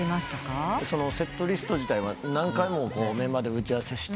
セットリスト自体は何回もメンバーで打ち合わせして。